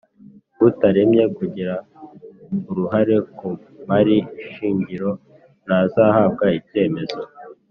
Utaremeye kugira uruhare ku mari shingiro ntazahabwa icyemezo